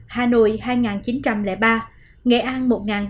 hà nội hai chín trăm linh ba nghệ an một bảy trăm một mươi bảy